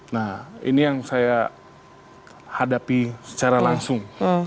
nah ini yang saya hadapi secara langsung